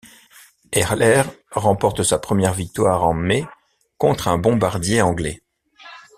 Erhler remporte sa première victoire en mai contre un bombardier anglais.